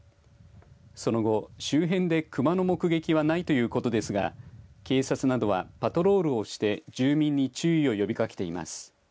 その後周辺でクマの目撃はないということですが警察などはパトロールをして住民に注意を呼びかけています。